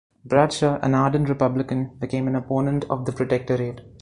Bradshaw, an ardent Republican, became an opponent of the Protectorate.